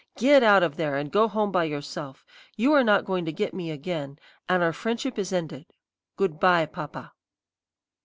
Get out of there, and go home by yourself. You are not going to get me again, and our friendship is ended. Good bye, Papa."